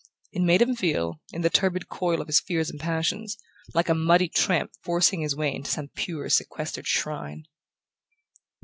It made him feel, in the turbid coil of his fears and passions, like a muddy tramp forcing his way into some pure sequestered shrine...